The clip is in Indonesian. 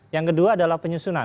yang kedua adalah penyusunan